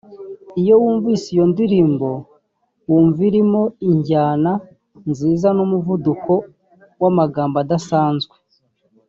Iyo wumvise iyo ndirimbo wumva irimo injyana nziza n’umuvuduko w’amagambo udasanzwe